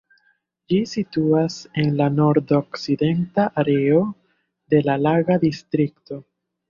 Ĝi situas en la nord-okcidenta areo de la Laga Distrikto.